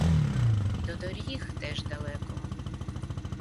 До доріг теж далеко.